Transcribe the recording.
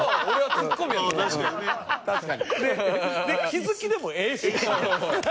で気づきでもええし。